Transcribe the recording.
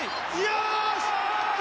よし！